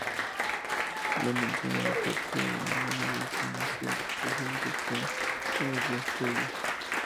No menciona la partida de ninguna división hacia esa dirección en los días previos.